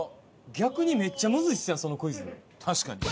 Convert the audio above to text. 逆にめっちゃムズいっすやんそのクイズ。